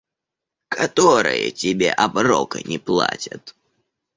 Которые тебе оброка не платят?